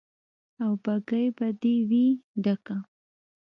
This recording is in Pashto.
او بګۍ به دې وي ډکه